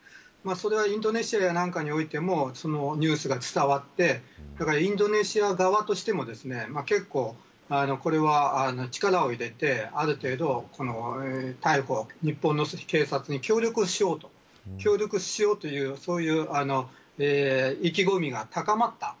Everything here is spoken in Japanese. それはインドネシアやなんかにおいてもニュースが伝わってインドネシア側としても結構、これは力を入れてある程度、この逮捕日本の警察に協力をしようという意気込みが高まった。